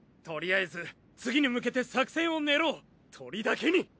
とりあえず次に向けて作戦を練ろうトリだけに！